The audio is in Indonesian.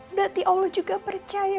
berarti allah juga percaya